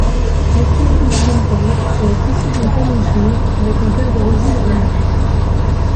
Arthur Garfunkel est issu d'une famille juive avec un père d'origine roumaine.